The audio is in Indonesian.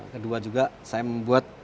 kedua juga saya membuat